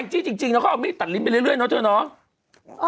อังกฤษจริงแล้วเขาเอาไม่ได้ตัดลิ้นไปเรื่อยเนอะเถอะเนาะ